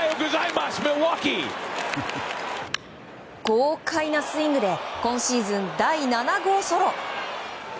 豪快なスイングで今シーズン第７号ソロ。